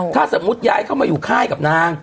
ถ้าสมมุติย้ายเข้ามาอยู่ค่ายกับนาง